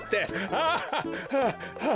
ああっはあはあ。